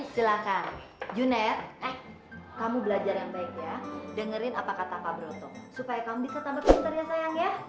silahkan junet kamu belajar yang baik ya dengerin apa kata pak broto supaya kamu bisa tambah